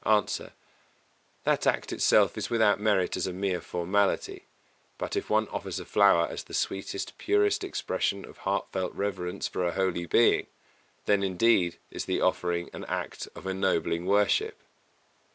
_ A. That act itself is without merit as a mere formality; but if one offers a flower as the sweetest, purest expression of heartfelt reverence for a holy being, then, indeed, is the offering an act of ennobling worship.